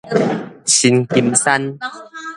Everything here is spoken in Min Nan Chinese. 新金山